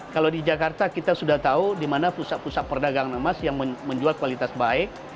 kalau di jakarta kita sudah tahu di mana pusat pusat perdagangan emas yang menjual kualitas baik